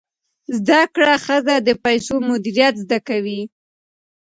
زده کړه ښځه د پیسو مدیریت زده کوي.